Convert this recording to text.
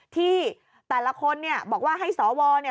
ที่แต่ละคนเนี่ยบอกว่าให้สวเนี่ย